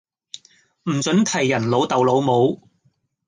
唔准提人老竇老母